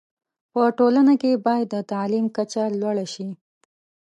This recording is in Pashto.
په ټولنه کي باید د تعلیم کچه لوړه شی